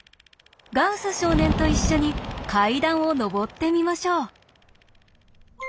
ガウス少年と一緒に階段を上ってみましょう。